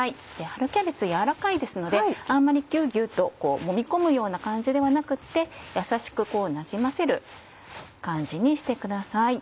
春キャベツ柔らかいですのであんまりギュウギュウともみ込むような感じではなくてやさしくなじませる感じにしてください。